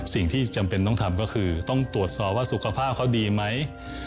สิ่งที่จำเป็นต้องทำก็คือต้องตรวจสอบว่าสุขภาพเขาดีไหม